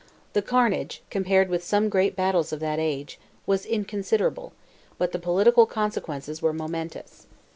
The carnage, compared with some great battles of that age, was inconsiderable, but the political consequences were momentous.